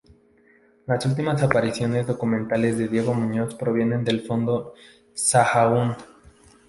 Las últimas apariciones documentales de Diego Muñoz provienen del fondo Sahagún.